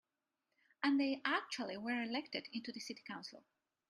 And they actually were elected into the city council.